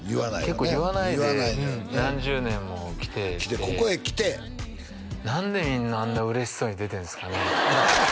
結構言わないで何十年もきててここへきて何でみんなあんな嬉しそうに出てるんですかね？